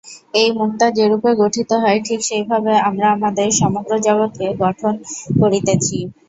এই মুক্তা যেরূপে গঠিত হয়, ঠিক সেইভাবে আমরা আমাদের সমগ্র জগৎকে গঠন করিতেছি।